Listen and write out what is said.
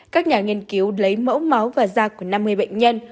các nhà nghiên cứu lấy mẫu máu và da của năm mươi bệnh nhân